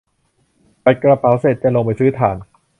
จัดกระเป๋าเสร็จจะลงไปซื้อถ่าน